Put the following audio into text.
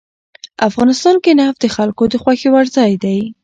افغانستان کې نفت د خلکو د خوښې وړ ځای دی.